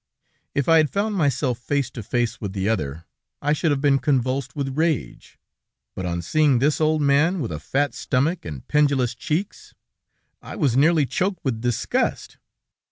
If I had found myself face to face with the other, I should have been convulsed with rage, but on seeing this old man, with a fat stomach and pendulous cheeks, I was nearly choked with disgust.